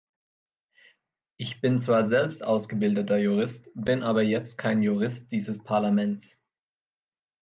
Ich bin zwar selbst ausgebildeter Jurist, bin aber jetzt kein Jurist dieses Parlaments.